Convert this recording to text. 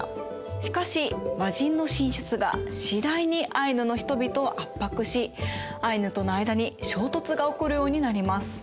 しかし和人の進出が次第にアイヌの人々を圧迫しアイヌとの間に衝突が起こるようになります。